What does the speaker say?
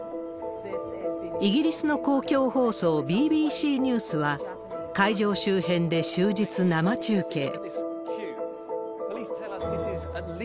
イギリスの公共放送、ＢＢＣニュースは、会場周辺で終日生中継。